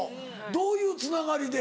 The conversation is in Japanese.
どういうつながりで？